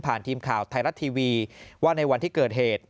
ทีมข่าวไทยรัฐทีวีว่าในวันที่เกิดเหตุ